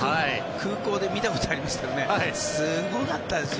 空港で見たことありますけどすごかったですよ！